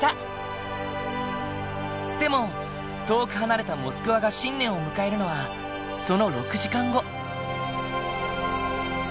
でも遠く離れたモスクワが新年を迎えるのはその６時間後。